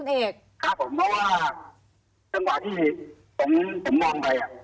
เพราะจังหวะที่ผมมองไป